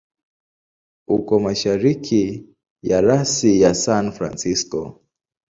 Uko mashariki ya rasi ya San Francisco.